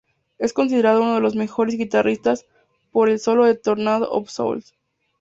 Es considerado uno de los mejores guitarristas por el solo de Tornado of souls.